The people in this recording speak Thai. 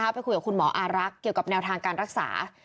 ไปคุยกับคุณหมออารักษ์เกี่ยวกับแนวทางการรักษา